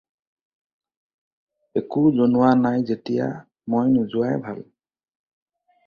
একো জনোৱা নাই যেতিয়া, ময়ো নোযোৱাই ভাল।